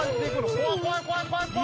怖い、怖い、怖い、怖い。